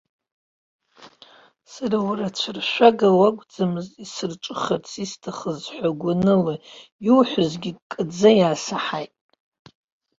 Сара уара ацәыршәага уакәӡамызт исырҿыхарц исҭахыз ҳәа гәаныла иуҳәазгьы ккаӡа иаасаҳаит.